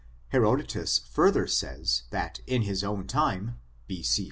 Herodotus further says, that in his own time, B. C.